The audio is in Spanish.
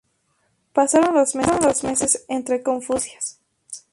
Pasaron los meses entre confusas noticias.